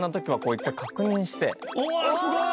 うわっすごい！